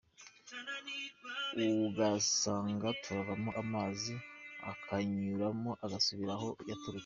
Ugasanga turavoma amazi akanyuramo agasubira aho yaturutse.